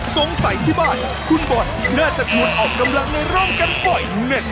สงสัยที่บ้านคุณบอทน่าจะชูนออกกำลังในร่องกันป่อยแน่